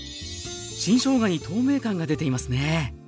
新しょうがに透明感が出ていますね。